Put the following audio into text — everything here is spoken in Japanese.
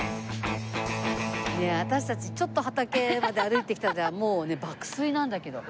私たちちょっと畑まで歩いてきたらもうね爆睡なんだけど。